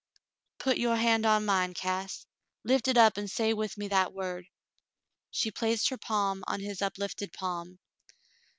"Put your hand on mine, Cass. Lift hit up an' say with me that word." She placed her palm on his uplifted palm.